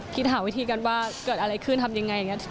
คิดหาวิธีกันว่าเกิดอะไรขึ้นทำยังไงอย่างนี้